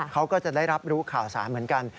เขาก็จะได้รับรู้ข่าวสารเหมือนกัน